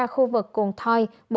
khu vực cuồng thoi